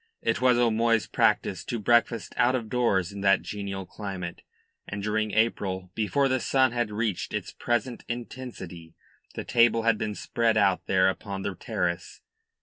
It was O'Moy's practice to breakfast out of doors in that genial climate, and during April, before the sun had reached its present intensity, the table had been spread out there upon the terrace.